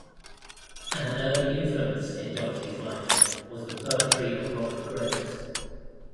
An early influence in Dougherty's life was the poetry of Robert Graves.